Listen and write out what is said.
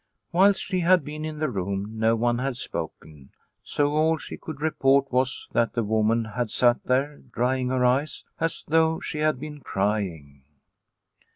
Whilst she had been in the room no one had spoken, so all she could report was that the woman had sat there drying her eyes as though she had been crying.